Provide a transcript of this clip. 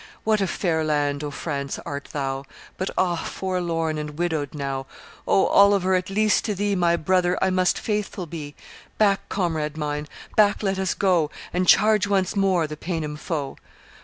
What a fair land, O France, art thou! But ah! forlorn and widowed now! O Oliver, at least to thee, My brother, I must faithful be Back, comrade mine, back let us go, And charge once more the Paynim foe!